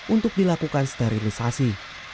untuk dilakukan sterilisasi